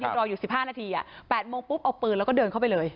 รออยู่๑๕นาที๘โมงปุ๊บเอาปืนแล้วก็เดินเข้าไปเลย